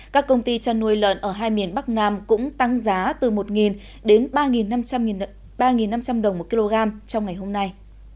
các công ty chăn nuôi lợn ở hai miền bắc nam cũng tăng giá từ một đến ba năm trăm linh đồng một kg trong ngày hôm nay